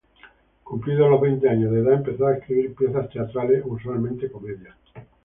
Cumplidos los veinte años de edad empezó a escribir piezas teatrales, usualmente comedias.